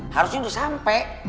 harusnya udah sampe